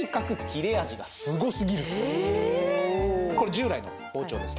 これ従来の包丁です。